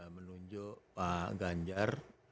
menunjuk pak ganjar